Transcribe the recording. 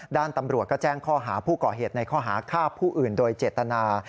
ด้านตำรวจก็แจ้งข้อหาผู้ก่อเหตุในข้อหาฆ่าผู้อื่นโดยเจตนา